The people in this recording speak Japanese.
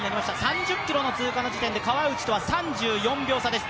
３０ｋｍ通過の時点で、川内とは３４秒差です。